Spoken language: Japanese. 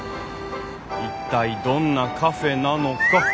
一体どんなカフェなのか。